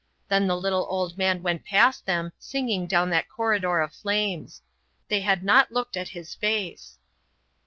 Then the little old man went past them singing down that corridor of flames. They had not looked at his face.